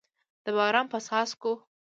د باران په څاڅکو